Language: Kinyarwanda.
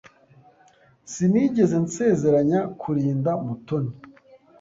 Sinigeze nsezeranya kurinda Mutoni.